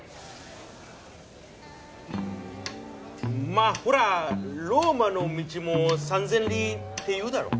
まあほらローマの道も三千里って言うだろ。